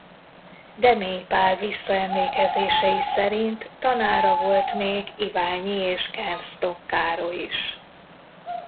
Demény Pál visszaemlékezései szerint tanára volt még Iványi és Kernstok Károly is.